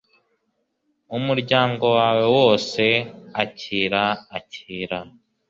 umuryango wawe wose (akira, akira